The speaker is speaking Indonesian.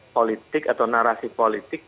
politik atau narasi politik